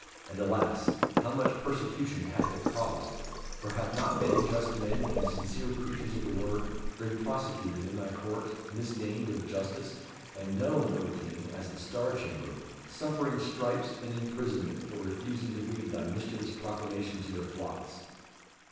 And, alas! how much persecution hath it caused; for have not many just men, and sincere preachers of the Word, been prosecuted in thy Court, misnamed of justice, and known, O King! as the Star Chamber; suffering stripes and imprisonment for refusing to read thy mischievous proclamation to their flocks."